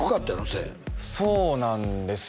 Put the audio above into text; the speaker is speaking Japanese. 背そうなんですよ